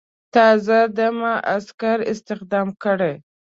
تازه دمه عسکر استخدام کړي.